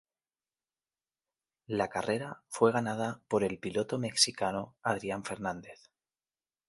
La carrera fue ganada por el piloto mexicano Adrián Fernández.